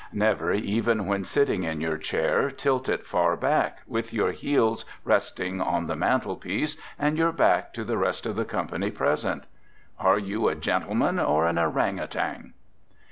Never, even when sitting in your chair, tilt it far back, with your heels resting on the mantel piece, and your back to the rest of the company present. Are you a gentleman or an orang outang?